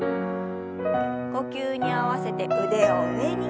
呼吸に合わせて腕を上に。